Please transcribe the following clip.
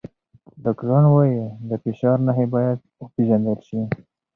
ډاکټران وايي د فشار نښې باید وپیژندل شي.